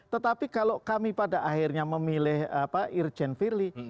tetapi kalau kami pada akhirnya memilih irjen firly